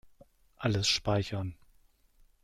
Alles speichern.